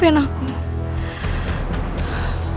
pokoknya aku harus melakukan sesuatu